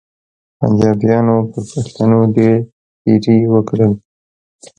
پنچاپیانو پر پښتنو ډېر تېري وکړل.